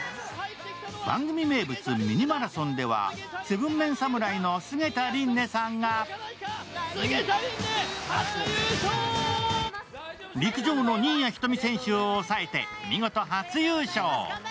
番組名物ミニマラソンでは７ＭＥＮ侍の菅田琳寧さんが陸上の新谷仁美選手を抑えて見事初優勝。